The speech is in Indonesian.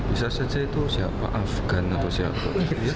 bisa saja itu siapa ah gan atau siapa